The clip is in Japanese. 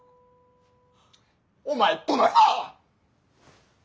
お前どなるな！